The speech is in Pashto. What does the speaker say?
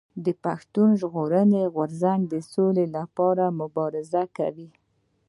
پښتون ژغورني غورځنګ د سولي لپاره مبارزه کوي.